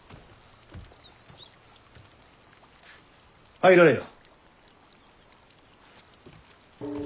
入られよ。